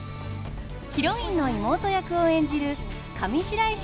ヒロインの妹役を演じる上白石